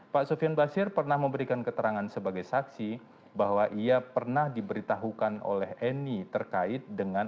pak sofian basir pernah memberikan keterangan sebagai saksi bahwa ia pernah diberitahukan oleh eni terkait dengan